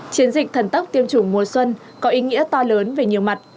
chiến dịch thần tốc tiêm chủng mùa xuân có ý nghĩa to lớn về nhiều mặt